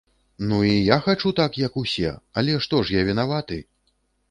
Ну, і я хачу так, як усе, але што ж я вінаваты?